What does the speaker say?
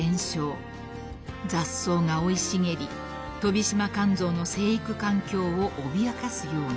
［雑草が生い茂りトビシマカンゾウの生育環境を脅かすように］